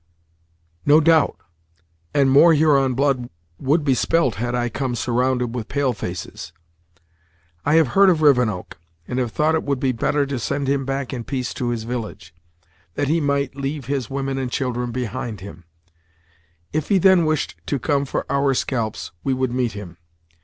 "No doubt; and more Huron blood would be spilt had I come surrounded with pale faces. I have heard of Rivenoak, and have thought it would be better to send him back in peace to his village, that he might leave his women and children behind him; if he then wished to come for our scalps, we would meet him.